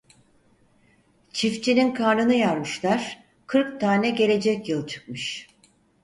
Çiftçinin karnını yarmışlar, kırk tane gelecek yıl çıkmış.